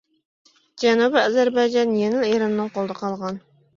جەنۇبى ئەزەربەيجان يەنىلا ئىراننىڭ قولىدا قالغان.